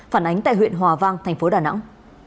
phản ánh tại huyện hòa vang thành phố đà nẵng